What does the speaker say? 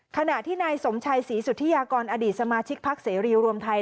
ขณะที่นายสมชัยศรีสุธิยากรอดีตสมาชิกพักเสรีรวมไทย